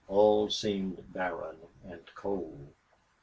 All seemed barren and cold.